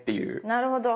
なるほど。